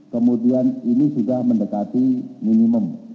kemudian ini sudah mendekati minimum